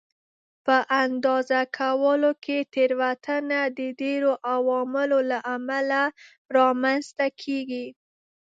په اندازه کولو کې تېروتنه د ډېرو عواملو له امله رامنځته کېږي.